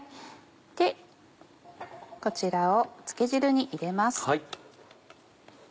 でこちらを漬け汁に入れます。